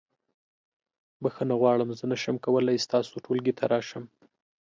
بخښنه غواړم زه نشم کولی ستاسو ټولګي ته راشم.